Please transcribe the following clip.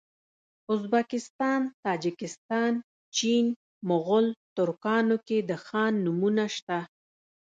ازبکستان تاجکستان چین مغول ترکانو کي د خان نومونه سته